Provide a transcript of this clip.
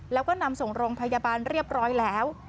แล้วก็นำส่งโรงพยาบาลเรียบร้อยแล้ว